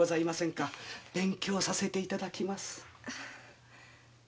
勉強させていただきます。